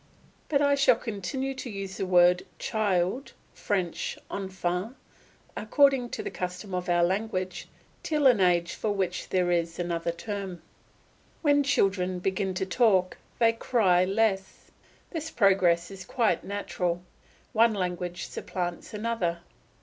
But I shall continue to use the word child (French enfant) according to the custom of our language till an age for which there is another term. When children begin to talk they cry less. This progress is quite natural; one language supplants another.